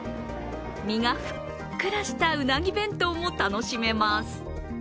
身がふっくらしたうなぎ弁当も楽しめます。